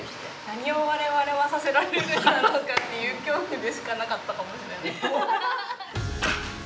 何を我々はさせられてるんだろうかっていう恐怖でしかなかったかもしれない。